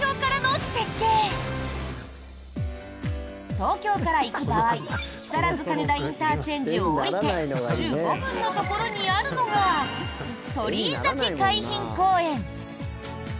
東京から行く場合木更津金田ＩＣを降りて１５分のところにあるのが鳥居崎海浜公園。